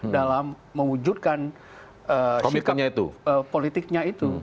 dalam mewujudkan sikap politiknya itu